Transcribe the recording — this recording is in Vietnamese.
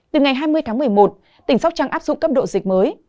từ ngày hai mươi tháng một mươi một tỉnh sóc trăng áp dụng cấp độ dịch mới